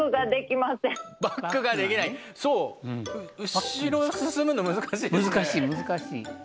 後ろ進むの難しいですね。